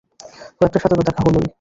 কয়েকটার সাথে তো দেখা হলোই।